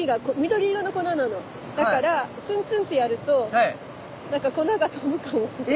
だからツンツンってやると何か粉が飛ぶかもしれない。